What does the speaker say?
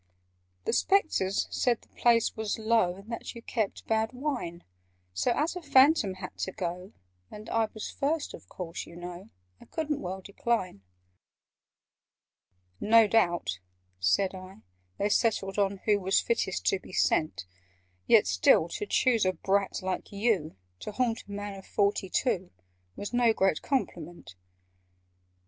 "The Spectres said the place was low, And that you kept bad wine: So, as a Phantom had to go, And I was first, of course, you know, I couldn't well decline." "No doubt," said I, "they settled who Was fittest to be sent Yet still to choose a brat like you, To haunt a man of forty two, Was no great compliment!"